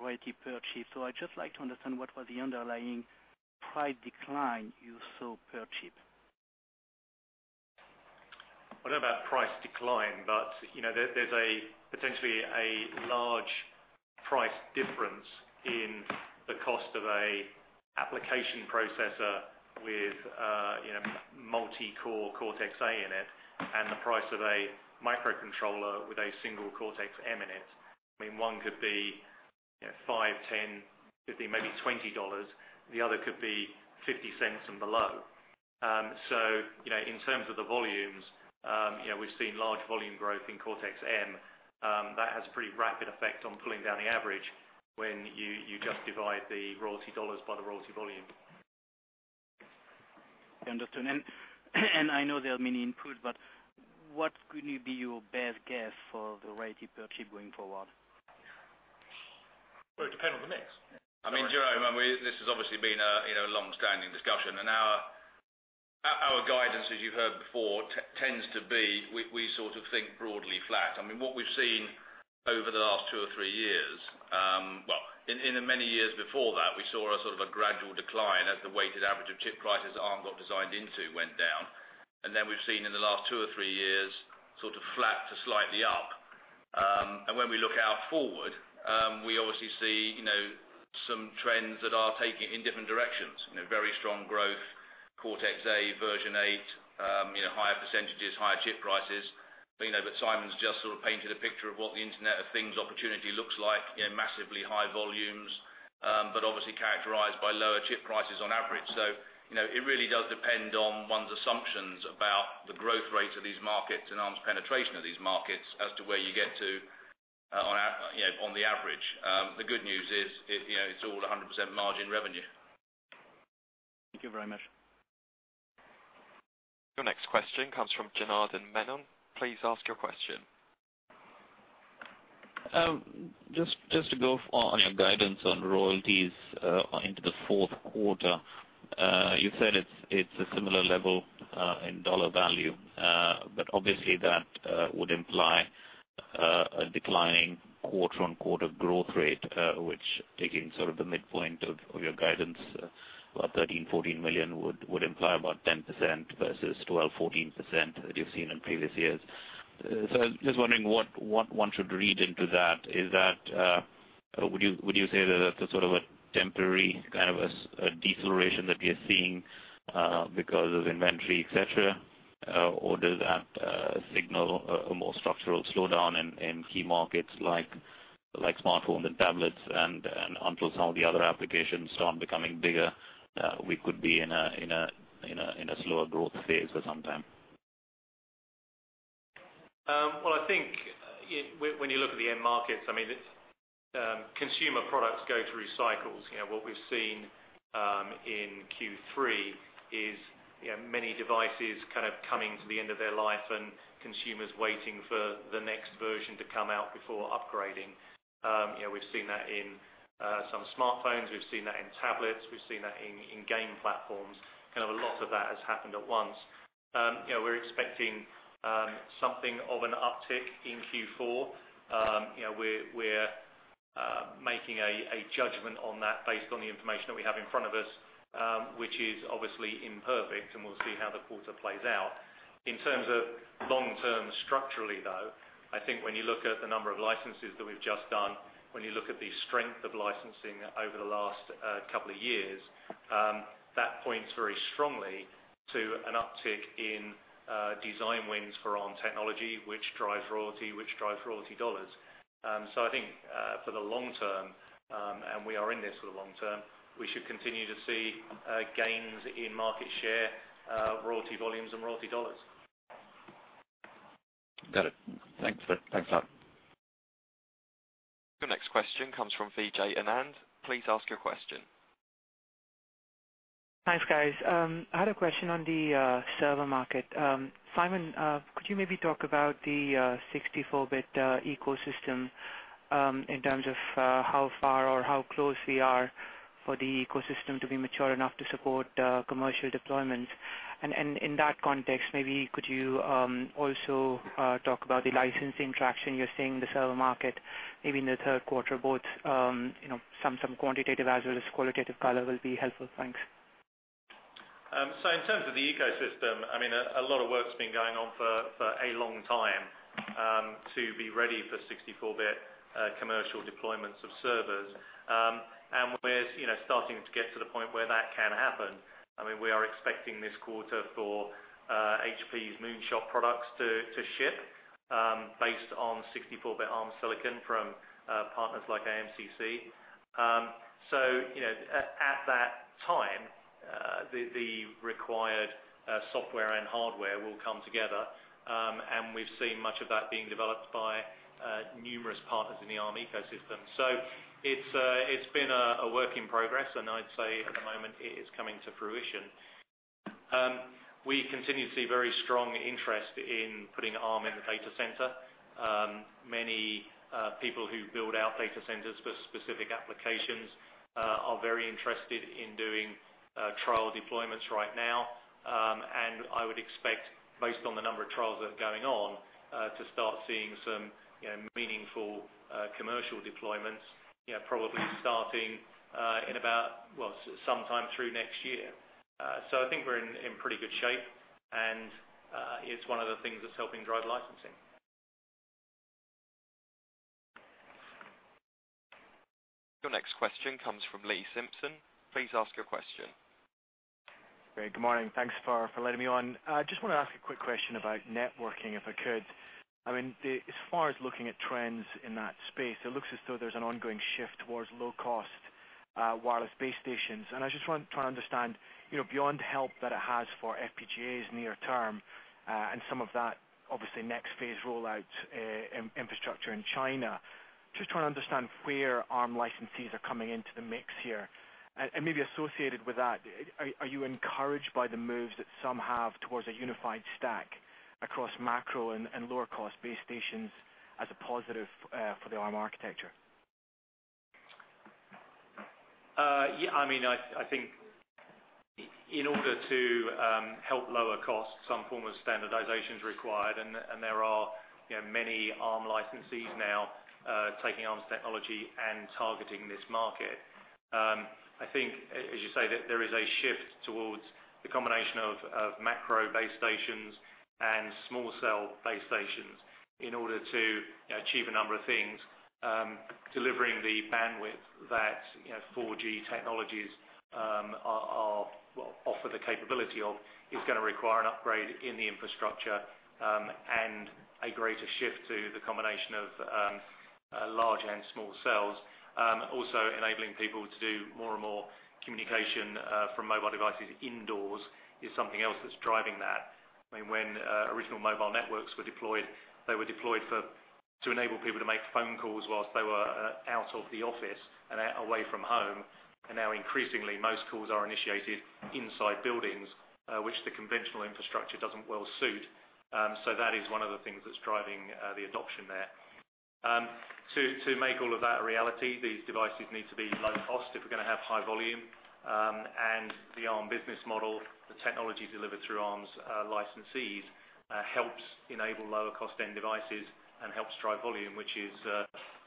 royalty per chip. I'd just like to understand what was the underlying price decline you saw per chip? I don't know about price decline, but there's potentially a large price difference in the cost of an application processor with multi-core Cortex-A in it and the price of a microcontroller with a single Cortex-M in it. One could be five, 10, 15, maybe GBP 20. The other could be 0.50 and below. In terms of the volumes we've seen large volume growth in Cortex-M. That has pretty rapid effect on pulling down the average when you just divide the royalty GBP by the royalty volume. I understand. I know there are many inputs, but what could be your best guess for the royalty per chip going forward? It depends on the mix. Jerome, this has obviously been a long-standing discussion. Our guidance, as you heard before, tends to be we sort of think broadly flat. What we've seen over the last two or three years, well, in the many years before that, we saw a sort of a gradual decline as the weighted average of chip prices Arm got designed into went down. Then we've seen in the last two or three years sort of flat to slightly up. When we look out forward, we obviously see some trends that are taking in different directions. Very strong growth, Cortex-A, version 8, higher %, higher chip prices. Simon's just sort of painted a picture of what the Internet of Things opportunity looks like. Massively high volumes but obviously characterized by lower chip prices on average. It really does depend on one's assumptions about the growth rates of these markets and Arm's penetration of these markets as to where you get to on the average. The good news is it's all 100% margin revenue. Thank you very much. Your next question comes from Janardan Menon. Please ask your question. Just to go on your guidance on royalties into the fourth quarter. You said it's a similar level in dollar value. Obviously that would imply a declining quarter-over-quarter growth rate, which taking sort of the midpoint of your guidance about $13 million-$14 million would imply about 10% versus 12%-14% that you've seen in previous years. I was just wondering what one should read into that. Would you say that that's a sort of a temporary kind of a deceleration that we are seeing because of inventory, et cetera? Or does that signal a more structural slowdown in key markets like smartphones and tablets and until some of the other applications start becoming bigger we could be in a slower growth phase for some time? I think when you look at the end markets, consumer products go through cycles. What we've seen in Q3 is many devices kind of coming to the end of their life and consumers waiting for the next version to come out before upgrading. We've seen that in some smartphones. We've seen that in tablets. We've seen that in game platforms. Kind of a lot of that has happened at once. We're expecting something of an uptick in Q4. We're making a judgment on that based on the information that we have in front of us, which is obviously imperfect, and we'll see how the quarter plays out. In terms of long-term structurally, though, I think when you look at the number of licenses that we've just done, when you look at the strength of licensing over the last couple of years, that points very strongly to an uptick in design wins for Arm technology, which drives royalty, which drives royalty dollars. I think for the long-term, and we are in this for the long-term, we should continue to see gains in market share, royalty volumes and royalty dollars. Got it. Thanks for that. Thanks, Simon. Your next question comes from Vijay Anand. Please ask your question. Thanks, guys. I had a question on the server market. Simon, could you maybe talk about the 64-bit ecosystem, in terms of how far or how close we are for the ecosystem to be mature enough to support commercial deployments? In that context, maybe could you also talk about the licensing traction you're seeing in the server market, maybe in the third quarter? Both some quantitative as well as qualitative color will be helpful. Thanks. In terms of the ecosystem, a lot of work's been going on for a long time to be ready for 64-bit commercial deployments of servers. We're starting to get to the point where that can happen. We are expecting this quarter for HP's Moonshot products to ship based on 64-bit Arm silicon from partners like AMCC. At that time, the required software and hardware will come together. We've seen much of that being developed by numerous partners in the Arm ecosystem. It's been a work in progress, and I'd say at the moment it is coming to fruition. We continue to see very strong interest in putting Arm in the data center. Many people who build out data centers for specific applications are very interested in doing trial deployments right now. I would expect based on the number of trials that are going on, to start seeing some meaningful commercial deployments probably starting in about, well, sometime through next year. I think we're in pretty good shape, and it's one of the things that's helping drive licensing. Your next question comes from Lee Simpson. Please ask your question. Great. Good morning. Thanks for letting me on. I just want to ask a quick question about networking, if I could. As far as looking at trends in that space, it looks as though there's an ongoing shift towards low-cost wireless base stations. I just want to try and understand beyond help that it has for FPGAs near term, and some of that obviously next phase rollout infrastructure in China. Just trying to understand where Arm licensees are coming into the mix here. Maybe associated with that, are you encouraged by the moves that some have towards a unified stack across macro and lower cost base stations as a positive for the Arm architecture? I think in order to help lower costs, some form of standardization is required. There are many Arm licensees now taking Arm's technology and targeting this market. I think, as you say, that there is a shift towards the combination of macro base stations and small cell base stations in order to achieve a number of things. Delivering the bandwidth that 4G technologies offer the capability of is going to require an upgrade in the infrastructure. A greater shift to the combination of large and small cells. Enabling people to do more and more communication from mobile devices indoors is something else that's driving that. When original mobile networks were deployed, they were deployed to enable people to make phone calls whilst they were out of the office and away from home. Now increasingly, most calls are initiated inside buildings, which the conventional infrastructure doesn't well suit. That is one of the things that's driving the adoption there. To make all of that a reality, these devices need to be low cost if we're going to have high volume. The Arm business model, the technology delivered through Arm's licensees, helps enable lower cost end devices and helps drive volume, which is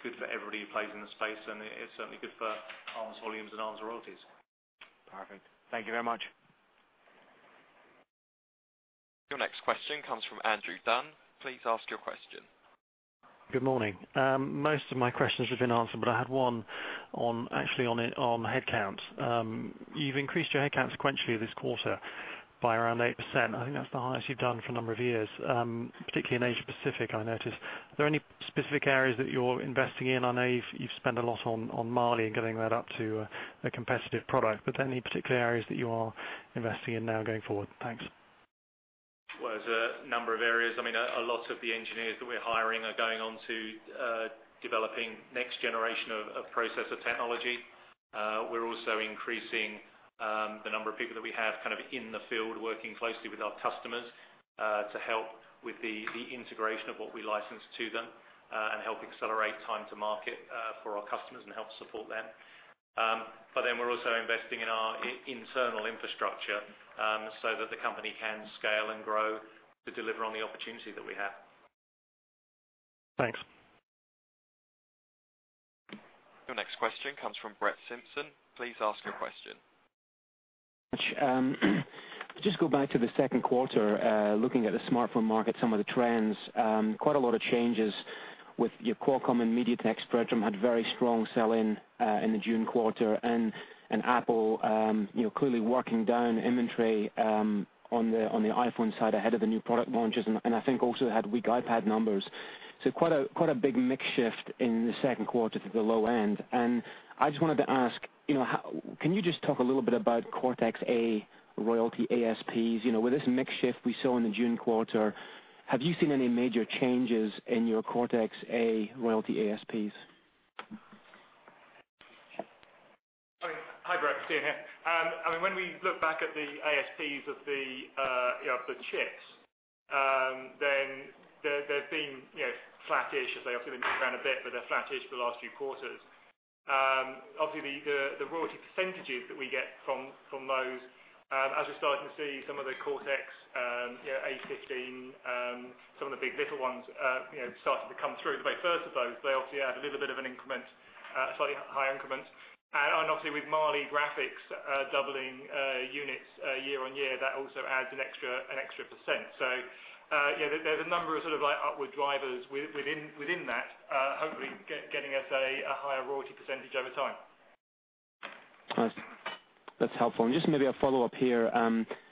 good for everybody who plays in the space, and it's certainly good for Arm's volumes and Arm's royalties. Perfect. Thank you very much. Your next question comes from Andrew Dunn. Please ask your question. Good morning. I had one actually on headcount. You've increased your headcount sequentially this quarter by around 8%. I think that's the highest you've done for a number of years, particularly in Asia Pacific, I noticed. Are there any specific areas that you're investing in? I know you've spent a lot on Mali and getting that up to a competitive product. Are there any particular areas that you are investing in now going forward? Thanks. Well, there's a number of areas. A lot of the engineers that we're hiring are going on to developing next generation of processor technology. We're also increasing the number of people that we have in the field, working closely with our customers to help with the integration of what we license to them, and help accelerate time to market for our customers and help support them. We're also investing in our internal infrastructure, so that the company can scale and grow to deliver on the opportunity that we have. Thanks. Your next question comes from Brett Simpson. Please ask your question. Just go back to the second quarter, looking at the smartphone market, some of the trends. Quite a lot of changes with your Qualcomm and MediaTek spread had very strong sell in in the June quarter. Apple clearly working down inventory on the iPhone side ahead of the new product launches, I think also had weak iPad numbers. Quite a big mix shift in the second quarter to the low end. I just wanted to ask, can you just talk a little bit about Cortex-A royalty ASPs? With this mix shift we saw in the June quarter, have you seen any major changes in your Cortex-A royalty ASPs? Hi, Brett. Stephen here. When we look back at the ASPs of the chips, then they've been flattish, as they often move around a bit, but they're flattish for the last few quarters. Obviously, the royalty percentages that we get from those as we're starting to see some of the Cortex-A15, some of the big. LITTLE ones starting to come through. The very first of those, they obviously add a little bit of an increment, a slightly higher increment. Obviously with Mali graphics doubling units year-over-year, that also adds an extra %. There's a number of upward drivers within that hopefully getting us a higher royalty percentage over time. That's helpful. Just maybe a follow-up here.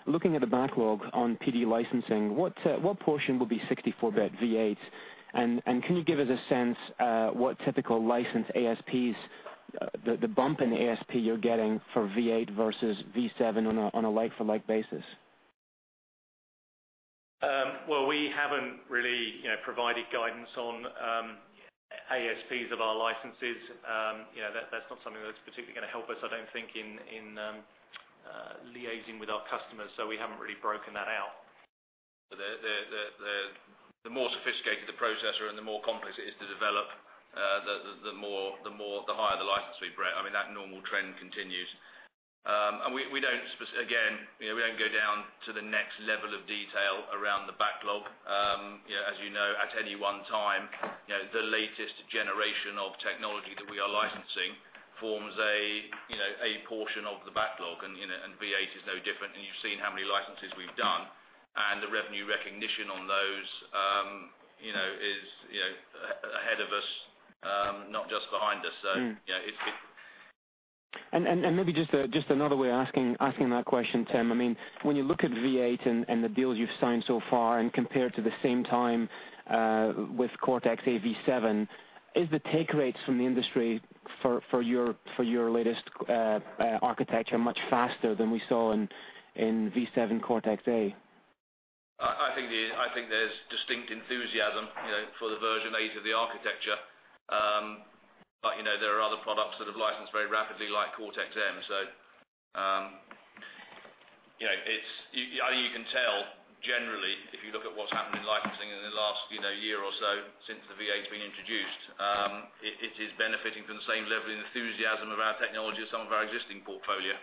Looking at the backlog on PD licensing, what portion will be 64-bit V8s? Can you give us a sense what typical license ASPs, the bump in ASP you're getting for V8 versus V7 on a like for like basis? Well, we haven't really provided guidance on ASPs of our licenses. That's not something that's particularly going to help us, I don't think, in liaising with our customers. We haven't really broken that out. The more sophisticated the processor and the more complex it is to develop, the higher the license fee, Brett. That normal trend continues. We don't go down to the next level of detail around the backlog. As you know, at any one time, the latest generation of technology that we are licensing forms a portion of the backlog, and V8 is no different. You've seen how many licenses we've done, and the revenue recognition on those is ahead of us, not just behind us. Maybe just another way of asking that question, Tim. When you look at V8 and the deals you've signed so far and compare to the same time with Cortex-A V7, is the take rates from the industry for your latest architecture much faster than we saw in V7 Cortex-A? I think there's distinct enthusiasm for the version 8 of the architecture. There are other products that have licensed very rapidly, like Cortex-M. You can tell generally, if you look at what's happened in licensing in the last year or so since the V8's been introduced. It is benefiting from the same level of enthusiasm of our technology as some of our existing portfolio.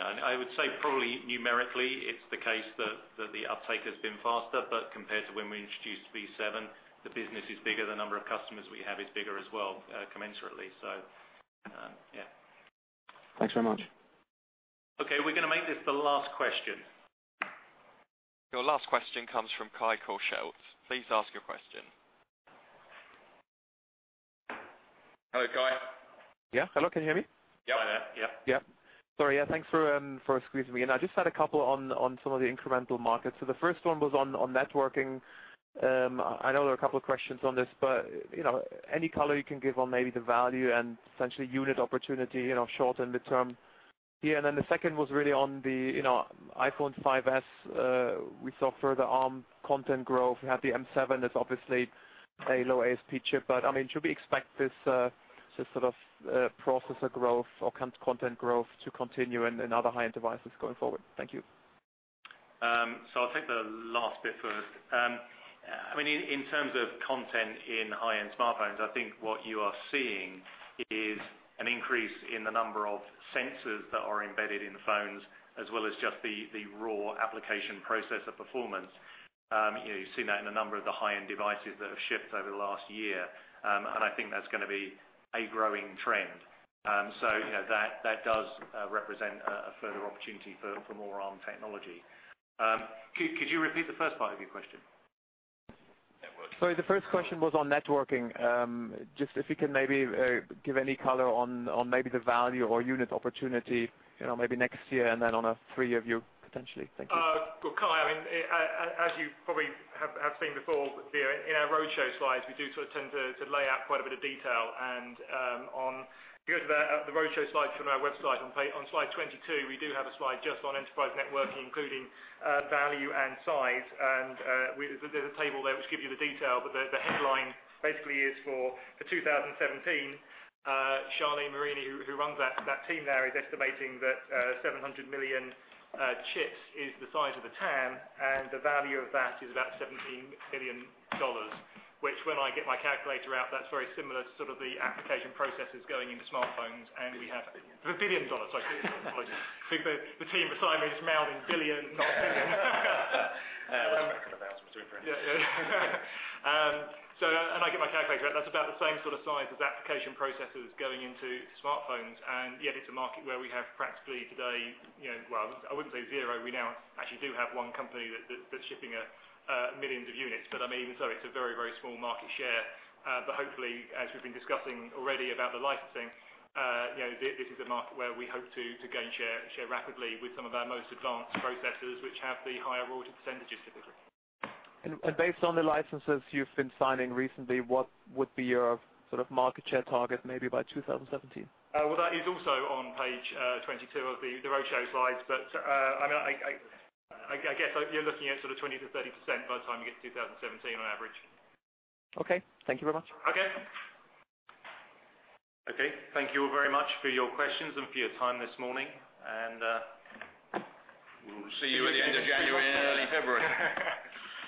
I would say probably numerically, it's the case that the uptake has been faster, but compared to when we introduced V7, the business is bigger, the number of customers we have is bigger as well commensurately. Yeah. Thanks very much. We're going to make this the last question. Your last question comes from Kai Korschelt. Please ask your question. Hello, Kai. Yeah. Hello, can you hear me? Yeah. Sorry. Thanks for squeezing me in. I just had a couple on some of the incremental markets. The first one was on networking. I know there are a couple of questions on this, any color you can give on maybe the value and essentially unit opportunity, short and midterm here. The second was really on the iPhone 5s. We saw further Arm content growth. We have the M7, that's obviously a low ASP chip. Should we expect this sort of processor growth or content growth to continue in other high-end devices going forward? Thank you. I'll take the last bit first. In terms of content in high-end smartphones, I think what you are seeing is an increase in the number of sensors that are embedded in phones as well as just the raw application processor performance. You've seen that in a number of the high-end devices that have shipped over the last year. I think that's going to be a growing trend. That does represent a further opportunity for more Arm technology. Could you repeat the first part of your question? Sorry, the first question was on networking. Just if you can maybe give any color on maybe the value or unit opportunity maybe next year and then on a three-year view potentially. Thank you. Well, Kai, as you probably have seen before in our roadshow slides, we do tend to lay out quite a bit of detail. If you go to the roadshow slides from our website on slide 22, we do have a slide just on enterprise networking, including value and size. There's a table there which gives you the detail. The headline basically is for 2017, Charlene Marini, who runs that team there, is estimating that 700 million chips is the size of the TAM, and the value of that is about GBP 17 billion. Which when I get my calculator out, that's very similar to sort of the application processors going into smartphones. Billion. For GBP billion. Sorry. The team beside me is mouthing billion, not million. We're talking about between friends. Yeah. I get my calculator out, that is about the same sort of size as application processors going into smartphones, yet it is a market where we have practically today, well, I would not say zero, we now actually do have one company that is shipping millions of units. Even so, it is a very, very small market share. Hopefully, as we have been discussing already about the licensing, this is a market where we hope to gain share rapidly with some of our most advanced processors, which have the higher royalty percentages typically. Based on the licenses you have been signing recently, what would be your sort of market share target maybe by 2017? Well, that is also on page 22 of the roadshow slides. I guess you are looking at sort of 20%-30% by the time you get to 2017 on average. Okay. Thank you very much. Okay. Okay. Thank you all very much for your questions and for your time this morning. We'll see you at the end of January and early February.